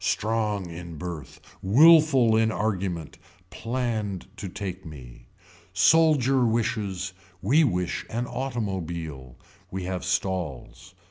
Strong in birth. Willful in argument. Planned to take me. Soldier wishes. We wish an automobile. We have stalls.